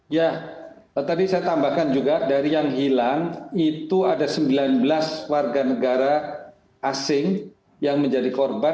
ya tadi saya tambahkan juga dari yang hilang itu ada sembilan belas warga negara asing yang menjadi korban